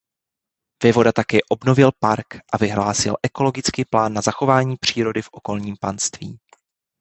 Vévoda také obnovil park a vyhlásil ekologický plán na zachování přírody v okolním panství.